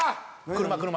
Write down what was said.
車車。